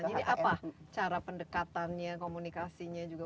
jadi apa cara pendekatannya komunikasinya